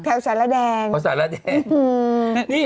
แถวสระแดงอ๋อสระแดงอืมนี่